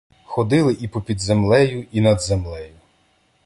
Ходили і попід землею, і над землею